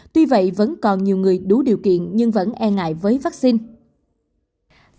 tuy vậy vẫn còn nhiều người đủ điều kiện nhưng vẫn e ngại với vaccine